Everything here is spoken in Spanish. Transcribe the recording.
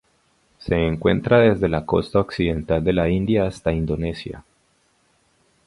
Se encuentra desde la costa occidental de la India hasta Indonesia.